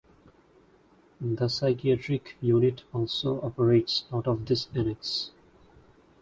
The psychiatric unit also operates out of this Annex.